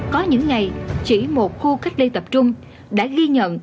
có những ngày chỉ một khu cách ly tập trung đã ghi nhận